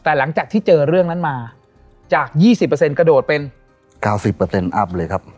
แต่หลังจากที่เจอเรื่องนั้นมาจาก๒๐กระโดดเป็น๙๐อัพเลยครับ